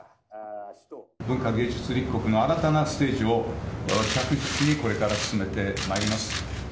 文化芸術立国の新たなステージを、着実にこれから進めてまいります。